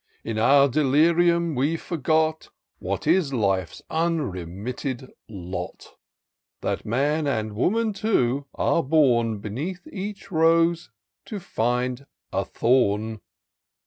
In our delirium we forgot What is h'fe's unremitted lot ; That man and woman, too, are born Beneath each rose to find a thorn